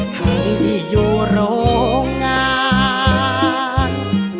ทั้งที่อยู่โรงงาน